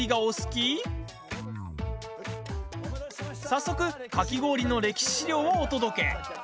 早速かき氷の歴史資料をお届け。